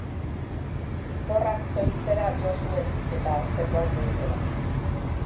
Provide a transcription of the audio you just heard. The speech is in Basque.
Zorrak soiltzera jo zuen, eta hartzekoak gehitzera.